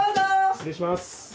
失礼します。